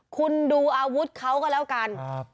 คุณดูอาวุธเขาก็แล้วกัน